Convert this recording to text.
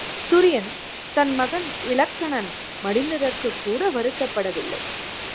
துரியன் தன் மகன் இலக்கணன் மடிந்ததற்குக்கூட வருத்தப்படவில்லை.